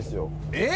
えっ？